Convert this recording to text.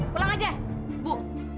pulang aja bu